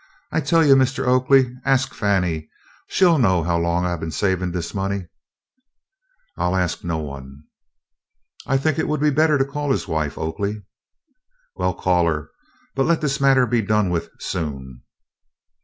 "I tell you, Mistah Oakley, ask Fannie. She 'll know how long I been a savin' dis money." "I 'll ask no one." "I think it would be better to call his wife, Oakley." "Well, call her, but let this matter be done with soon."